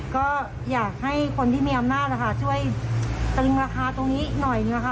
ก็อยากให้คนที่มีอำนาจนะคะช่วยตึงราคาตรงนี้หน่อยนะคะ